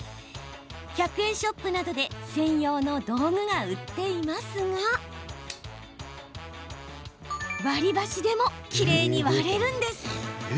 １００円ショップなどで専用の道具が売っていますが割り箸でもきれいに割れるんです。